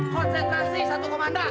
konsentrasi satu komanda